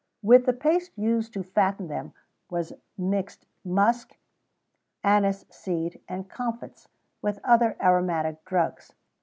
With the paste used to fatten them was mixed musk, anise seed, and comfits, with other aromatic drugs.